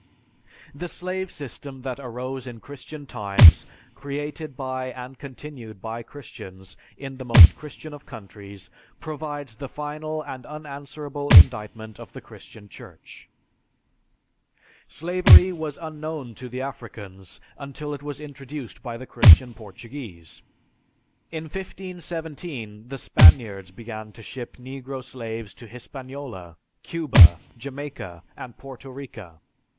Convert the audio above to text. _) The slave system that arose in Christian times, created by and continued by Christians in the most Christian of countries, provides the final and unanswerable indictment of the Christian Church. Slavery was unknown to the Africans until it was introduced by the Christian Portuguese. In 1517 the Spaniards began to ship negro slaves to Hispaniola, Cuba, Jamaica, and Porto Rica.